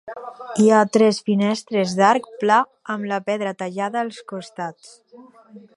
Hi ha tres finestres d'arc pla amb la pedra tallada als costats.